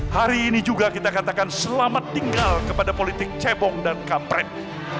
hari ini juga kita katakan selamat tinggal kepada politik cebong dan kampret